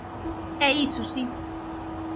É iso, si.